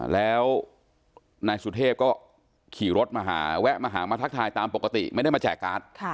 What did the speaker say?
แล้วนายสุเทพก็ขี่รถมาหาแวะมาหามาทักทายตามปกติไม่ได้มาแจกการ์ด